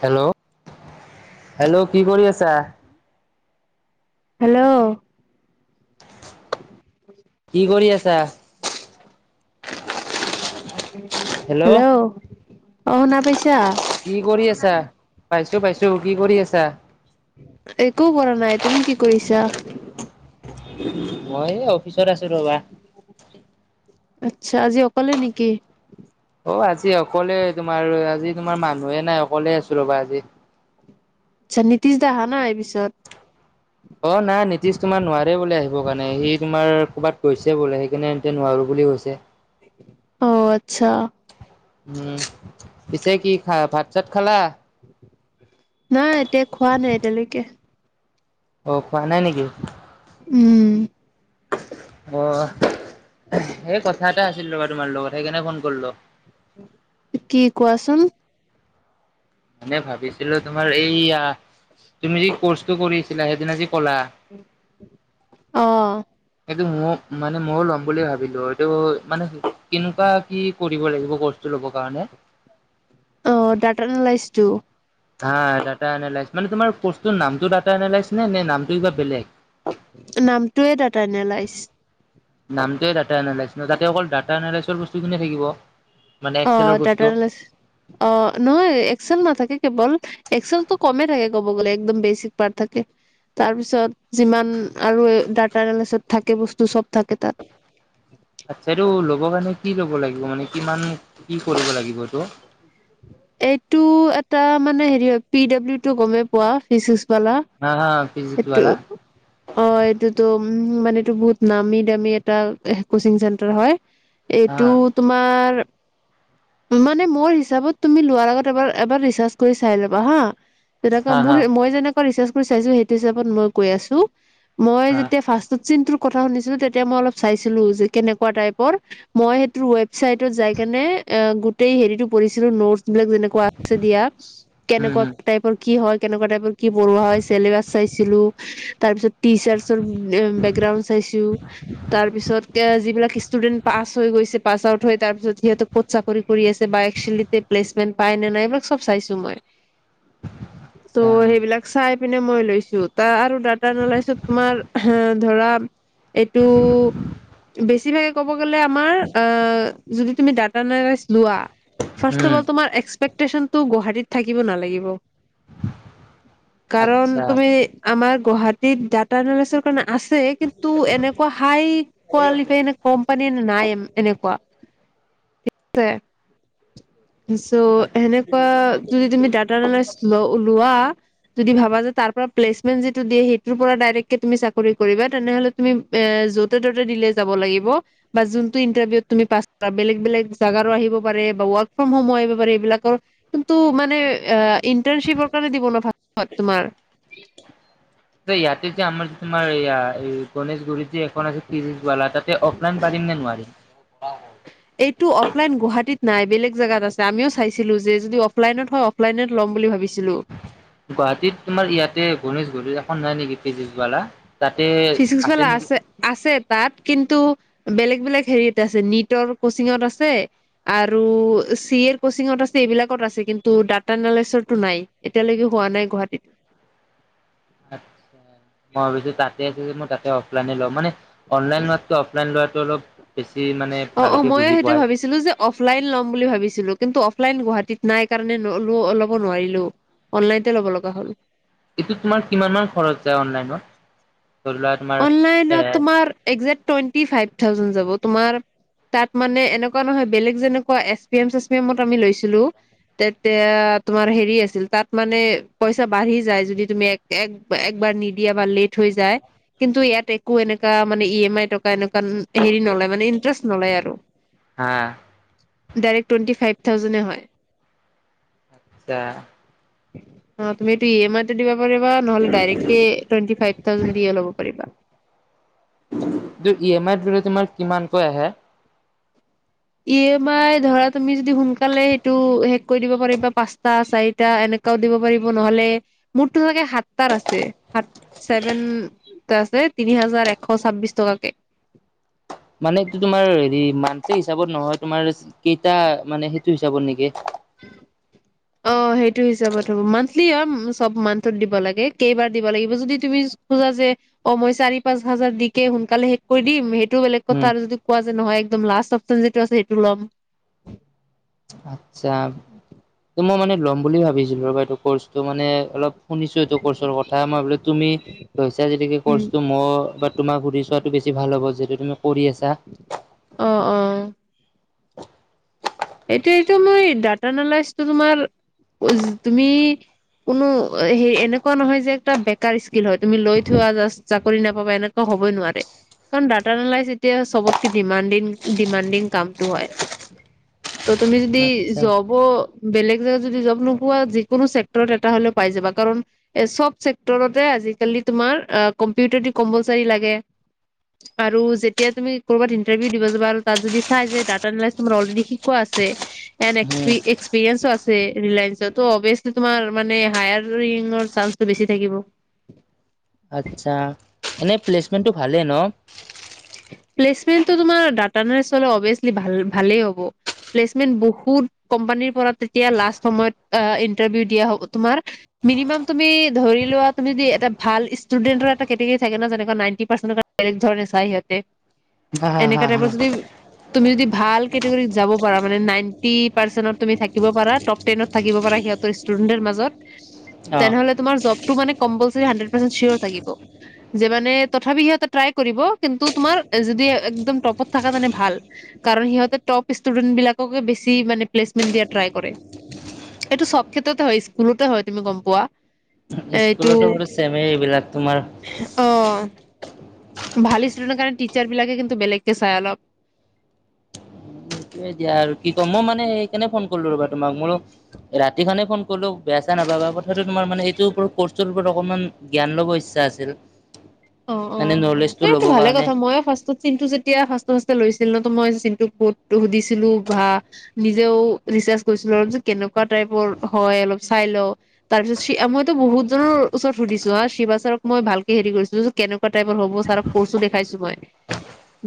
Hello hello কি কৰি আছা? হেল্ল' কি কৰি আছা? হেল্ল' অহ শুনা পাইছ কি কৰি আছা, পাইছো পাইছো কি কৰি আছা? একো কৰা নাই, তুমি কি কৰিছা? মই অফিচত আছো ৰবা। আচ্ছা, আজি অকলে নেকি? অ আজি অকলে তোমাৰ, আজি তোমাৰ মানুহে নাই অকলে আছো ৰ'বা আজি। আচ্ছা নীতিশ দা আহা নাই পিছত? অ নাই নীতিশ তোমাৰ নোৱাৰে বোলে আহিব কাৰণে, সি তোমাৰ ক'বাত গৈছে বোলে, সেইকাৰণে এয়া নোৱাৰো বুলি বুলি কৈছে। অ আচ্ছা উম, পিছে কি খা ভাত চাত খালা? নাই এতিয়া খোৱা নাই এতিয়ালৈকে। অ খোৱা নাই নেকি? উম। অ সেই কথা এটা আছিল ৰবা তোমাৰ লগত, সেইকাৰণে ফোন কৰিলো। কি কোৱাচোন? মানে ভাবিছিলো তোমাৰ এইয়া তুমি যি কৰ্চটো কৰিছিলা সেইদিনা যি ক'লা অহ সেইটো মোক মানে ময়ও ল'ম বুলি ভাবিলো, এইটো মানে কেনেকুৱা কি কৰিব লাগিব কৰ্চটো লব কাৰণে? অ দাতা নলেছ টো, হা ডাটা নলেছ, মানে তোমাৰ পষ্টোৰ নামটো ডাটা নলেছ নে, নে নামটো কিবা বেলেগ? নামটোয়ে দটা নলাইচ। নামটোৱে ডাটা নলেছ, না তাতে অকল ডাটা এনালিচৰ বস্তু কোনে থাকিব? মানে অ এক্সেলৰ দাতা বস্তু নলেছ, অ নহয় একচল নাথাকে কেৱল। এক্সেলটো কমেই থাকে ক'ব গ'লে একদম বেচিক পাৰ্ট থাকে। তাৰ পিছত যিমান আৰু ডাটা এনালাইচত থাকে বস্তু চব থাকে তাত। [unintelligible] আচ্ছা এইটো ল'ব কাৰণে কি ল'ব লাগিব মানে, কিমান কি কৰিব লাগিব এইটো? এইটো এটা মানে হেৰি হয় পি ডাব্লিউ টো গমেই পোৱা ফিচচ। ভালা, হা হা ফিজিক্স এইটো, ৱালা অ এইটোতো উম মানে এইটো বহুত নামি দামী এটা কচিং চেন্টাৰ হয়। হা এইটো তোমাৰ মানে, মোৰ হিচাপত তুমি লোৱাৰ আগত এবাৰ এবাৰ ৰিচাৰ্জ কৰি চাই ল'বা হা, তেনেকা হা মোৰ হা মই যেনেকা ৰিচাজ মই চাইছোঁ হেইটো হিচাপত মই কৈ আছোঁ, মই হা যেতিয়া ফাৰ্ষ্ট চিনটোৰ কথা শুনিছিলো তেতিয়া মই অল চাইছিলো যে কেনেকুৱা টাইপৰ, মই সেই ৱেবচাইদত জাই কিনে অ, গোটেই হেৰিতটো পঢ়িছিলো ন বিলাক যেনেকুৱা আছে দিয়া উম কেনেকুৱা উম টাইপৰ কি হয়। কেনেকুৱা টাইপৰ কি পঢ়োৱা হয় চেলেবাছ চাইছিলো, তাৰ পিছত টিচাৰছৰ বেকগ্ৰাউণ্ড চাই চো তাৰ পিছত যিবিলাক ইষ্টুদেন্ত পাছ হৈ গৈছে, পাছ আউট হয় তাৰ পিছত সিহতক কত চা কৰি - কৰি আছে বা একশ্যৱেলী তে প্লেচমেণ্ট পাই নে নাই এইবিলাক চব চাইছো মই, ত আচ্ছা সেইবিলাক চাইড পিনে মই লৈছো, তাৰ আৰু দাটা নোলাইছো তোমাৰ হা ধৰা এইটো বেছিভাগ ক'ব গ'লে আমাৰ আহ যদি তুমি ডাটা নেৰেছ লোৱা উম তুৰ্বক তোমাৰ এক্সপেক্টচনতো গুৱাহাটীত থাকিব নালাগিব। কাৰণ আচ্ছা তুমি আমাৰ গুৱাহাটীত ডাটা এনালিচৰ কাৰণ আছে কিন্তু এনেকুৱা হাই কোৱালিফাই কোম্পানী নাই এনেকুৱা। দিছে। চ' আ সেনেকুৱা যদি তুমি ডাটা এনালাইচ ল লোৱা। যদি ভাবা যে তাৰ পৰা প্লেচমেন্ট যিটো দিয়ে সেইটোৰ পৰা ডাইৰে তুমি চাকৰি কৰিবা তেনেহলে তুমি এ যতে মতে দিলে যাব লাগিব বা জোনতো ইণ্টাৰভিউত তুমি পাছ কৰা বেলেগ - বেলেগ জেগাৰো আহিব পাৰে। ফ্ৰম হম হয় বাৰে এইবিলাকৰ কিন্তু মানে ইন্টাৰ্ণশ্বিপৰ কাৰণে দিব ন ভাল তোমাৰ। যে ইয়াতে যে আমাৰ যে তোমাৰ এয়া এই গণেশগুৰিত যি এখন আছিলা তাতে অফলাইন পাতিম নে নোৱাৰিম। উম, এইটো অফলাইন গুৱাহাটীত নাই বেলেগ জাগগাত আছে আমিও চাইছিলো যে যদি অফলাইনত হয় অফলাইনত ল'ম বুলি ভাবিছিলো। গুৱাহাটীত তোমাৰ ইয়াতে গণেশগুৰিত এখন নাই নেকি ফিজিক্সৱালা। তাতে ফিজিক্সৱালা আছে - আছে। তাত কিন্তু বেলেগ - বেলেগ হেৰিত আছে নিটৰ কচিঙত আছে আৰু চি এড কচিঙত আছে এইবিলাকত আছে কিন্তু ডাটা এনালিচৰটো নাই এতিয়ালৈকে হোৱা নাই গুৱাহাটীত। [inaudible] আচ্ছা মই ভাবিছো তাতে আছে মই তাতে অফলাইনে লও মানে অনলাইন লোৱটো অফলাইন লোৱাটো অলপ বেছি মানে অ অ ভালকে ময়ো বুজি সেইটো পাই। ভাবিছিলো যে অফলাইন ল'ম বুলি ভাবিছিলো কিন্তু অফলাইন গুৱাহাটী সিত নাই কাৰণে ল'ব নোৱাৰিলোও অনলাইনতে ল'ব লগা হ'ল। এইটো তোমাৰ কিমান মান খৰচ যায় অনলাইনত? ধৰি লোৱা তোমাৰ অনলাইন তো এ তোমাৰ এক জেক টোৱেইন তি ফাই থাও জেন জাব তোমাৰ তাত মানে এনেকুৱা নহয় বেলেগ যেনেকুৱা এছ পি এম চে পি এমত আমি লৈছিলো তেতিয়া তোমাৰ হেৰি আছিল তাত মানে পইচা বাঢ়ি যাই যদি তুমি এ এবাৰ নিদিয়া বালি থৈ যায়। কিন্তু ইয়াত একো এনেকুৱকা মানে ই এম আই টকা এনেকুৱা হেৰি নলয় মানে ইণ্টাৰেষ্ট নলয় আৰু। হা ডাইৰেক্ট টোৱণ্টি ফাইভ থাউজেণ্ডে হয়। আচ্ছা। অ, তুমিটো ই এমই দিব পাৰিবা নহলে ডাইৰেক্টকে টুৱেন্টি ফাইভ থাউজেণ্ড দি লব পাৰিবা। ত ই এম আইৰ দৰে তোমাৰ কিমানকৈ আহে। ই এম আই ধৰা তুমি যদি সোনকালে সেইটো শেষ কৰি দিব পাৰিবা পাচটা চাৰিটা এনে কে দিব পাৰিবা নহ'লে মোৰ টো সাত তা আছে চেভেন তা আছে। তিনি হাজাৰ এশ ছাবিছ টকাকে। মানে এইটো তোমাৰ হেৰি মানসে হিচাপত নহয় তোমাৰ কেইটা মানে সেইটো হিচাপত নেকি? অ', সেইটো হিচাপত হ'ব মান্থলি অ চব মান্থত দিব লাগে কেইবাৰ দিব লাগিব যদি তুমি খোজা যে অ, মই চাৰি পাচ হাজাৰ দিকে সোনকালে শেষ কৰি দিম সেইটো এইটো বেলেগ কথা উম আৰু যদি কোৱা যে নহয় একদম লাষ্ট অপশচন যিটো আছে সেইটো ল'ম। আচ্ছা, ত মই মানে ল'ম বুলি ভাবিছিলো ৰবা এইটো কৰ্চ। টো মানে অলপ শুনিছো এইটো কৰ্চৰ কথা। মই ভাবিলোঁ তুমি লৈছা যদি সেই উম কৰ্চটো মই তোমাক হোধি চোৱাটো বেছি ভাল হ'ব। যিহেতু তুমি কৰি আছা। অঁ, অঁ। এইটো, এইটো মই ডাটা এনালাইচটো তোমাৰ তুমি কোনো হেৰি এনেকুৱা নহয় যে এটা বেকাৰ ইছ হয় তুমি লৈ থোৱা জাষ্ট, চাকৰি নাপাবা। এনেকুৱা হ'বই নোৱাৰে। কাৰণ ডাটা এনালাইচ এতিয়া চবতকে ডিমাণ্ডিং ডিমাণ্ডিং কামটো হয়। ত' তুমি যদি আচ্ছা জবো বেলেগ জেগা যদি জব নোপোৱা, যিকোনো চেক্টৰত এটা হ'লেও পাই যাবা। কাৰণ এ চব চেক্টৰতে আ আজি-কালি তোমাৰ কম্পিউটাৰ কম্পলচাৰি লাগে। আৰু যেতিয়া তুমি ক'ৰবাত ইণ্টাৰভিউ দিব যাবা আৰু তাত যদি চাই যে ডাটা এনালাইছ তমাৰ অলৰেদী শিক কোৱা আছে। এণ্ড এক্স উম এক্সপিৰিয়েন্স ও আছে। ৰিলায়েন্সটো অবিয়েছলি তোমাৰ মানে হায়াৰ [unintelligible] চাঞ্চটো বেছি থাকিব। আচ্ছা এনে প্লেচমেন্টটো ভালেই ন? প্লেচমেন্টটো তোমাৰ ডাটা এনালাইছ হলে অবিয়েচলি ভাল ভালেই হ'ব। প্লেচমেন বহুত কোম্পানীৰ পৰা তেতিয়া লাষ্ট সময়ত অ ইন্টাৰভিউ দিয়া হব। তোমাৰ মিনিমাম তুমি ধৰি লোৱা, তুমি যদি এটা ভাল ষ্টুডেণ্টৰ এটা কেটেগৰী থাকে ন। যেনেকুৱা নাইনটি পাৰ্চেট এটা বেলেগ ধৰণে চায় সিঁহতে। হা হা হা এনেকা টাইপৰ হা যদি তুমি যদি ভাল কেটেগৰীত যাব পাৰা মানে নাইনটি পাৰ্চেন্টত তুমি থাকিব পাৰা, টপ টেনত থাকিব পাৰা সিহঁতৰ ষ্টুডেণ্টৰ মাজত, অ তেনেহলে তোমাৰ যবটো মানে কম্পলছৰি হাণ্ড্ৰেড পাৰচেন্ট চিঞৰ থাকিব। যিমানে তথাপি সিহঁতে ট্ৰাই কৰিব। কিন্তু তোমাৰ যদি একদম টপত থকা তেনে ভাল। কাৰণ সিহঁতে টপ ষ্টুডেন্ট বিলাককে বেছি চি মানে প্লেচমেণ্ট দিয়াত ট্ৰাই কৰে এইটো চব ক্ষেত্ৰতে হয়। স্কুলতে হয় তুমি গম পোৱা। এইটো, স্কুলতো বাৰু চেমে এইবিলাক তোমাৰ অ ভাল ষ্টুডেণ্টৰ কাৰণে টিচাৰ বিলাকে কিন্তু বেলেগকে চাই অলপ। এ দিয়া আৰু কি ক'ম মই মানে ৰাতিখনে ফোন কলোও। বেয়া চেয়া নাপাবা। কথাটো তোমাৰ মানে এইটো ওপৰত কৰ্চটোৰ ওপৰত অকমান জ্ঞান লব ইচ্ছা আছিল। অ, অ। মানে নলেজটো মানে এইটো ল'বৰ ভালে কাৰণে কথা। মইও ফাৰ্ষ্টত চিনটো যেতিয়া ফাষ্টত ফাষ্টত লৈছিল ন ত মই চিনটো কডটো সুধিছিলো বা নিজেও ৰিচাৰ্জ কৰিছিলো আৰু যে কেনেকা কুৱা টাইপৰ হয় অলপ চাই লও। তাৰ পিছত মইতো বহুত জনৰ ওচৰত সুধিছো হা শি [unintelligible] ক মই ভালকে হেৰি কৰিছো যে কেনেকোৱা টাইপৰ হ'ব? ছাৰক কৰছো দেখাইছো মই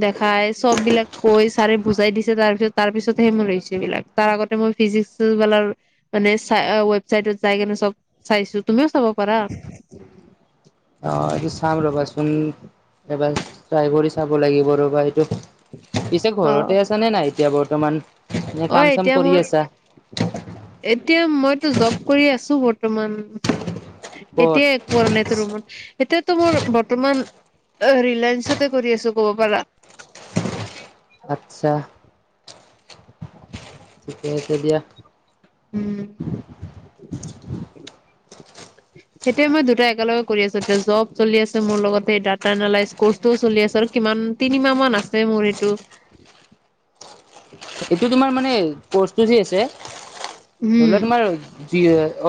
দেখাই চবিলাক কৈ ছাৰে বুজাই দিছে। তাৰ পিছত তাৰ পিছতহে মোৰ হৈছে এইবিলাক। তাৰ আগতে ম ফিজিক্স ৱালাৰ মানে চ ৱেবচাইটত যাই কিনে চব চাইছো, তুমিও চাব পাৰা। [inaudible] অ, এইটো চাম ৰবাচোন। এবাৰ ট্ৰাই কৰি চাব লাগিব ৰ'বা এইটো। পিছে অ ঘৰতে আছা নে নাই এতিয়া বৰ্তমান? এনে অ কাম-চাম এতিয়া কৰি মোৰ আছা? এতিয়া মইতো জব কৰি আছো বৰ্তমান। ক'ত এতিয়াই একো কৰা নাই। এতিয়া ৰুমত এত মোৰ বৰ্তমান ৰিলায়েন্ঞ্চতে কৰি আছো ক'ব পাৰা। আচ্ছা হৈছে দিয়া। উম। সেইটোৱে মই দুটা একেলগে কৰি আছো। এতিয়া জব চলি আছে মোৰ লগতে ডাটা এনালাইছ কৰ্চটোও চলি আছে কিমান, তিনিমাহ মান আছে মোৰ এইটো। এইটো তোমাৰ মানে কৰ্চটো যে আছে ধৰি উম লোৱা তোমাৰ যি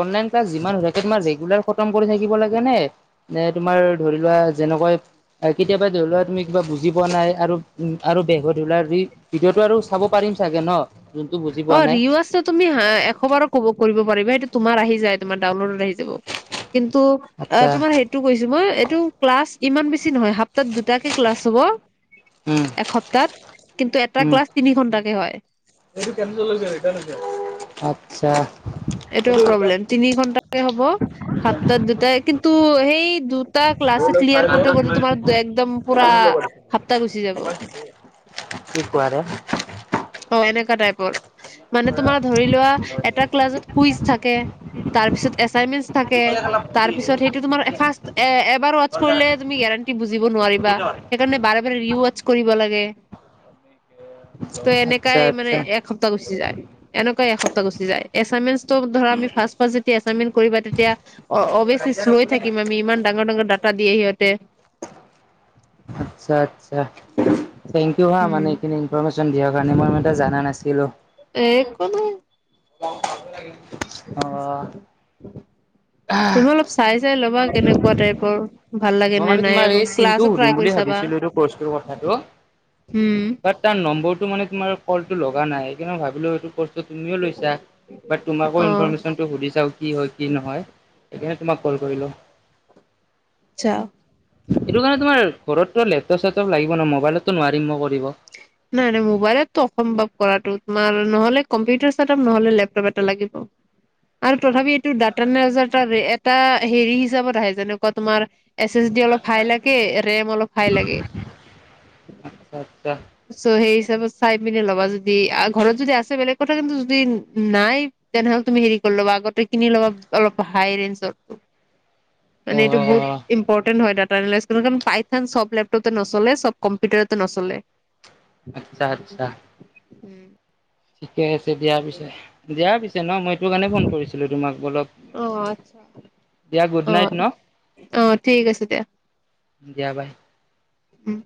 অনলাইন যিমান হৈ থাকে তোমাৰ ৰেগুলাৰ খতম কৰি থাকিব লাগে নে? নে তোমাৰ ধৰি লোৱা যেনেকৈ কেতিয়াবা ধৰি লোৱা তুমি কিবা বুজি পোৱা নাই আৰু উম আৰু বেগ ধৰিলা ভিডিঅটো আৰু চাব পাৰিম চাগে ন? যোনটো বুজি অ পোৱা নাই ৰিয় আছে তুমি হা এশ বাৰ ক'ব। কৰিব পাৰিবা সেইটো তোমাৰ আহি যায় তোমাৰ ডাউনলডত আহি যাব। কিন্তু অ আচ্ছা তোমাৰ সেইটো কৈছো মই। ক্লাছ ইমান বেছি নহয় সপ্তাত দুটাকে ক্লাছ হ'ব। উম এসপ্তাত কিন্তু এটা উম ক্লাছ তিনি ঘন্টা কে হয়। এইটো আচ্ছা। এইটো প্ৰব্লেম, তিনি ঘন্টাকে হ'ব সাতটাত দুটাই কিন্তু সেই দু। ক্লা চাই ক্লিয়াৰ লৈ কৰ কৰ তোমাৰ একদম পুৰা পুনৰ ল'ব হাপ্তা গুচি যাব। দিছে। কি কোৱাৰে। অ এনেকোৱা টাইপৰ, মানে তোমাৰ ধৰি লোৱা এটা ক্লাছত কুইচ থাকে। তাৰপিছত এচাইনমেন্ট থাকে তাৰপিছত সেইটো তোমাৰ ফাৰ্ষ্ট এবাৰ ৱচ কৰিলে তুমি। বুজিব নোৱাৰিবা, সেইকাৰণে বাৰে বাৰে ৰি চ কৰিব লাগে। ত আচ্ছা এনেকাই মানে আচ্ছা এসপ্তাহ গুচি যায় এনেকুৱাই এসপ্তাহ গুচি যায় এছাইমেন্টো ধৰা আমি ভাল ফাচ ফাচ যেতিয়া এছাইনমেণ্ট কৰিবা তেতিয়া অবিযেচল্লি চ ৰ'অই থাকিম আমি ইমি ইমান ডাঙৰ ডাঙৰ ডা টা দিয়ে সিহঁতে। আচ্ছা আচ্ছা থেংক ইউ হা মানে উম এইখিনি ইনফৰ্মেচন দিয়া স কাৰণে মই ম এটা জানা নাছিলো। এক কো নাই। আহ তুমি অলপ চাই চাই ল'বা কেনেকুৱা টাইপৰ। ভাল লাগে মই নে মানে নাই তোমাৰ আকৌ এই চিনটো ক্লাছো ট্ৰাই সুধিম কৰি বুলি চাবা ভাবিছিলো এইটো কৰ্চটো কথাটো। উম বাট তাৰ নম্বৰটো মানে তোমাৰ কলটো লগা নাই সেইকাৰণে ভাবিলোও সটো ত তুমিও লৈছা তোমাকো অ ইনফৰৰ্মেশ্যনটো সুধি চাও কি হয় কি নহয়? সেইকাৰণে তোমাক কল কৰিলো। আচ্ছা এইটো কাৰণে তোমাৰ ঘৰতো লেপটপ চেপটপ লাগিব ন মোবাইলতো নোৱাৰিম ম কৰিব। নাই নাই মোবাইলটো অসম্ভৱ কৰাটো তোমাৰ নহলে কম্পিউটাৰ চ নহলে লেপপ এটা লাগিব। আৰু তথাপি এইটো দাতানেজাৰ ত এটা হেৰি হিচাপত আহে যেনেকুৱা তোমাৰ এচ এছ ডি অলপ হাই লাগে ৰেম অলপ হাই লাগে। আচ্ছা আচ্ছা চ' সেই হিচাপত চাই পিনে ল'বা যদি ঘৰত যদি আছে বেলেগ কথা কিন্তু যদি নাই তেনেহলে তুমি হেৰি কৰি ল'বা আগতে কিনি ল'বা অলপ হাই ৰেঞ্জৰটো। অ মানে এইটো বহুত ইম্পৰ্টেণ্ট হয় তাত। পাইানটান চব লেপটপে নচলে সব কম্পিউটাৰ নচলে। আচ্ছা আচ্ছা। উম ঠিকে আছে দিয়া পিছে দিয়া পিছে ন মই এইটো কাৰণে ফোন কৰিছিলো তোমাক। অলপ আহ আচ্ছা দিয়া গুড নাইট আহ ন আহ ঠিক আছে দিয়া। দিয়া বাই। উম।